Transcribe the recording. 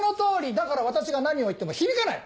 だから私が何を言っても響かない！